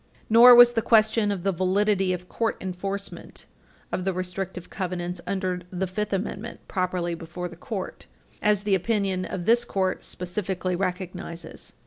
Nor was the question of the validity of court enforcement of the restrictive covenants under the Fifth Amendment properly before the Court, as the opinion of this Court specifically recognizes.